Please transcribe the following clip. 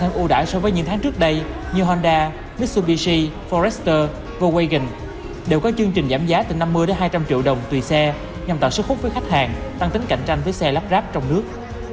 tăng tính cạnh tranh với xe lắp ráp trong nước